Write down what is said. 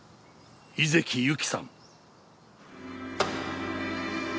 井関ゆきさん。